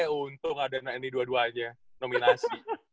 eh untung ada ini dua duanya nominasi